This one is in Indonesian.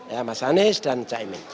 ya mas anies dan caimin